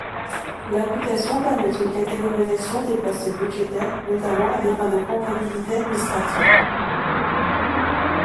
L'imputation permet une catégorisation des postes budgétaires notamment à des fins de comptabilité administrative.